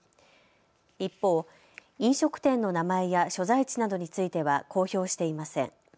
一方、飲食店の名前や所在地などについては公表していません。